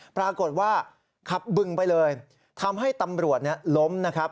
ปรากฏว่าขับบึงไปเลยทำให้ตำรวจล้มนะครับ